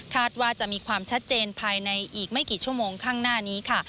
ว่าจะมีความชัดเจนภายในอีกไม่กี่ชั่วโมงข้างหน้านี้ค่ะ